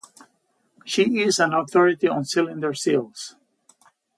She is an authority on cylinder seals.